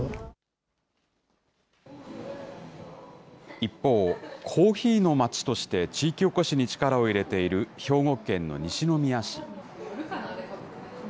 一方、コーヒーの街として、地域おこしに力を入れている兵庫県の西宮市。